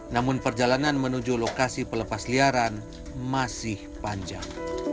namun perjalanan menuju lokasi pelepasliaran masih panjang